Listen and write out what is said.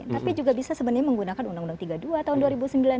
tapi juga bisa sebenarnya menggunakan undang undang tiga puluh dua tahun dua ribu sembilan